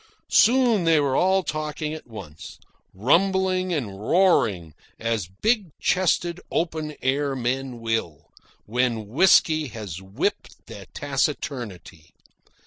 Soon they were all talking at once, rumbling and roaring as big chested open air men will, when whisky has whipped their taciturnity.